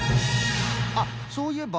あっそういえば。